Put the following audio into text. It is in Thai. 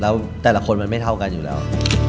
แล้วแต่ละคนมันไม่เท่ากันอยู่แล้ว